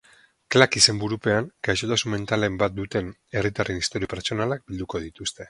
Klak izenburupean, gaixotasun mentalen bat duten herritarren istorio pertsonalak bilduko dituzte.